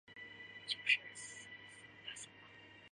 县治窝利卡。